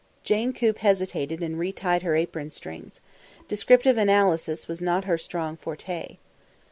Jane Coop hesitated, and re tied her apron strings. Descriptive analysis was not her strong forte.